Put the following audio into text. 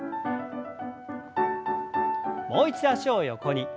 もう一度脚を横に。